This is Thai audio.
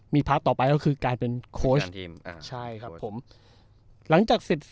มีต่อไปก็คือการเป็นใช่ครับผมหลังจากสิ้นส์